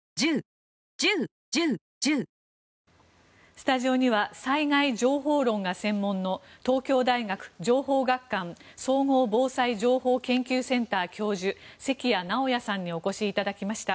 スタジオには災害情報論が専門の東京大学情報学環総合防災情報研究センター教授関谷直也さんにお越しいただきました。